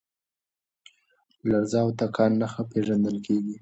لرزه او تکان نښه پېژندل کېږي.